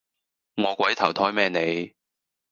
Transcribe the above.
餓鬼投胎咩你